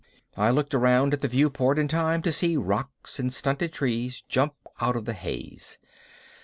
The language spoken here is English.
I looked around at the viewport in time to see rocks and stunted trees jump out of the haze.